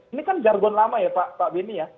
ini kan jargon lama ya pak beni ya